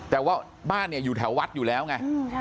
แต่ว่าบ้านเนี่ยอยู่แถววัดอยู่แล้วไง